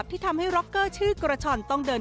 ผมไม่ได้หนีไปไหนเลย